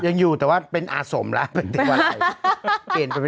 ยังอยู่แต่ว่าเป็นอาสมเลย